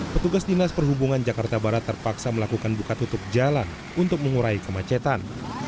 petugas dinas perhubungan jakarta barat terpaksa melakukan buka tutup jalan untuk mengurai kemacetan